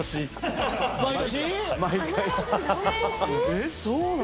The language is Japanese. えっそうなの？